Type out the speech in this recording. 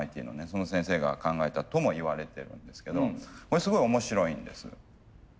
その先生が考えたともいわれているんですけどこれすごい面白いんです。